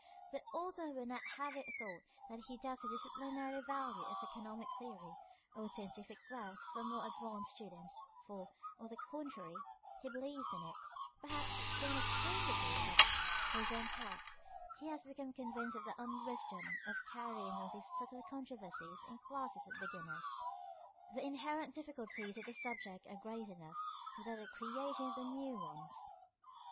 The author would not have it thought that he doubts the disciplinary value of economic theory or its scientific worth for more advanced students, for, on the contrary, he believes in it, perhaps to an extreme degree; but, for his own part, he has become convinced of the unwisdom of carrying on these subtle controversies in classes of beginners. The inherent difficulties of the subject are great enough, without the creation of new ones.